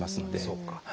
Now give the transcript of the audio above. そうか。